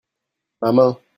ma main.